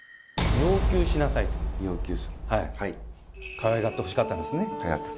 かわいがってほしかったんですね。